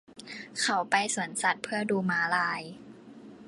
เขาไปสวนสัตว์เพื่อดูม้าลาย